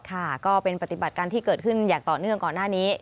ค่ะก็เป็นปฏิบัติการที่เกิดขึ้นอย่างต่อเนื่องก่อนหน้านี้